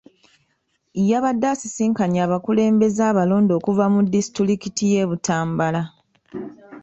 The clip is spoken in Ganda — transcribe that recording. Yabadde asisinkanye abakulembeze abalonde okuva mu disitulikiti y'e Butambala.